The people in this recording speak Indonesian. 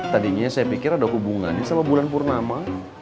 tadinya saya pikir ada hubungannya sama bulan purnama